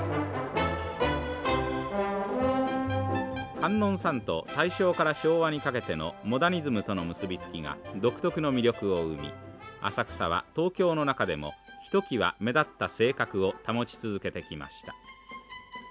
観音さんと大正から昭和にかけてのモダニズムとの結び付きが独特の魅力を生み浅草は東京の中でもひときわ目立った性格を保ち続けてきました。